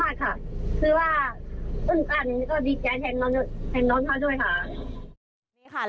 เพราะว่าอื่นกันดีแจแทนน้องพ่อด้วยค่ะ